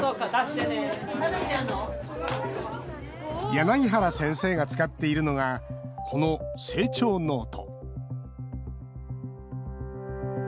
柳原先生が使っているのがこの成長ノート。